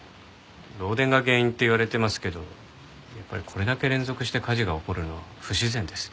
漏電が原因って言われてますけどやっぱりこれだけ連続して火事が起こるのは不自然です。